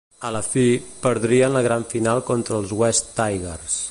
A la fi, perdrien la gran final contra els Wests Tigers.